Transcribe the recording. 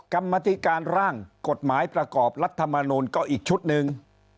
กรรมธิการร่างกฎหมายประกอบรัฐมนูลก็อีกชุดหนึ่ง